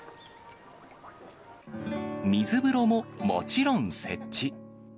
水風呂ももちろん設置。